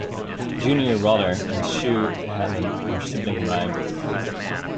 Junior Rotter and Sue Helen were sibling rivals.